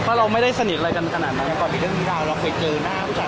เพราะเราไม่ได้สนิทอะไรกันขนาดนั้นก่อนมีเรื่องมีราวเราเคยเจอหน้าผู้ชาย